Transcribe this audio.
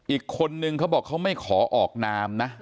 อีกคนนึงเขาบอกเขาไม่ขอออกนามนะ